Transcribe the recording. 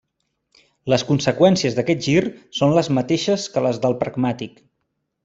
Les conseqüències d’aquest gir són les mateixes que les del pragmàtic.